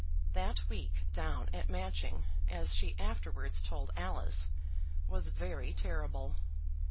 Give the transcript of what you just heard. That week down at Matching, as she afterwards told Alice, was very terrible.